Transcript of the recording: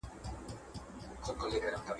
ایا تاسو غواړئ یو ښه څېړونکی شئ؟